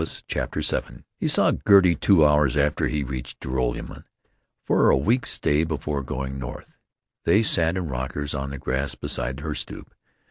CHAPTER VII e saw Gertie two hours after he had reached Joralemon for a week's stay before going north. They sat in rockers on the grass beside her stoop.